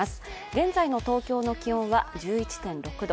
現在の東京の気温は１１．６度。